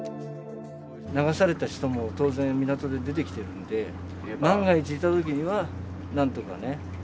流された人も当然、港で出てきてるんで、万が一、いたときには、なんとかね。